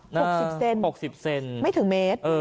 หกสิบเซนหกสิบเซนไม่ถึงเมตรเออ